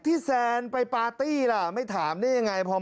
เพราะว่าผมก็คุยกับทันแสนนะครับ